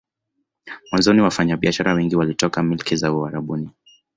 Mwanzoni wafanya biashara wengi walitoka milki za Uarabuni